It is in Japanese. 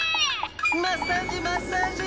マッサージマッサージ！